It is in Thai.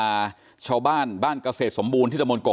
อันพี่สาวมาเก็บเฮ็ดนั่นนะครับนัดกันว่าเรามาเก็บเฮ็ดนั่นนะครับ